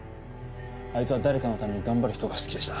あいつは誰かのために頑張る人が好きでした